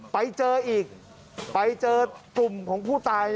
ไปเจออีกไปเจอกลุ่มของผู้ตาย